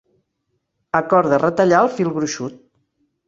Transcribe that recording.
Acorda retallar el fil gruixut.